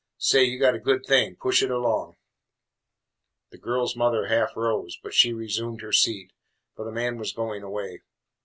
Say, you got a good thing; push it along." The girl's mother half rose, but she resumed her seat, for the man was going away.